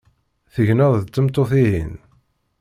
Tegneḍ d tmeṭṭut-ihin?